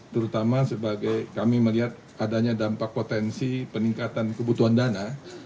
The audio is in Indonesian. terutama sebagai kami melihat adanya dampak potensi peningkatan kebutuhan dana